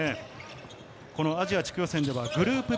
アジア地区予選ではグループＢ。